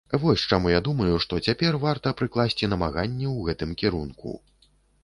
Вось чаму я думаю, што цяпер варта прыкласці намаганні ў гэтым кірунку.